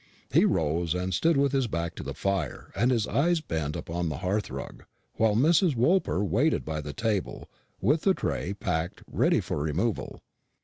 He rose, and stood with his back to the fire and his eyes bent upon the hearthrug, while Mrs. Woolper waited by the table, with the tray packed ready for removal.